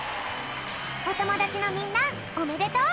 おともだちのみんなおめでとう！